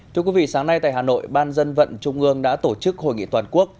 thưa quý vị sáng nay tại hà nội ban dân vận trung ương đã tổ chức hội nghị toàn quốc